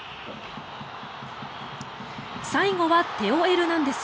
最後はテオ・エルナンデス。